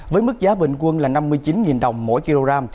với mức giá bình quân là năm mươi chín đồng mỗi kg